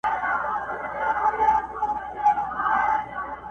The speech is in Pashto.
لاندي باندي به جهان کړې ما به غواړې نه به یمه،